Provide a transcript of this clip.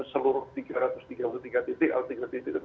seluruh tiga ratus tiga puluh tiga titik atau tiga titik